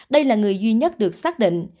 đây là người duy nhất được xác định